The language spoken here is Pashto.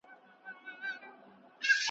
را رواني به وي ډلي د ښایستو مستو کوچیو .